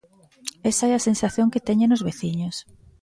Esa é a sensación que teñen os veciños.